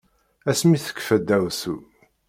Ass mi tekfa daɛwessu.